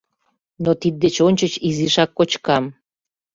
Но тиддеч ончыч изишак кочкам.